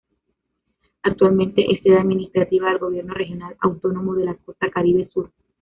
Actualmente es sede administrativa del Gobierno Regional Autónomo de la Costa Caribe Sur.